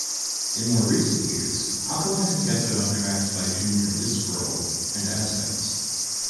In more recent years, Alkaline has guested on tracks by Junior Disprol and Aspects.